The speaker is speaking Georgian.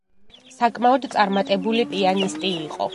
საკმაოდ წარმატებული პიანისტი იყო.